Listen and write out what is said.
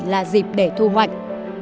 là dịp để thu hoạch